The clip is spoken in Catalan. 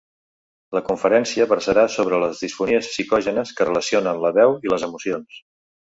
La conferència versarà sobre les disfonies psicògenes, que relacionen la veu i les emocions.